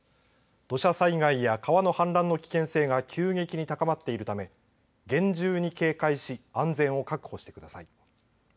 土砂災害や川の氾濫の危険性が急激に高まっているため厳重に警戒し安全を確保してください。